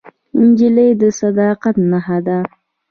نجلۍ د صداقت نښه ده.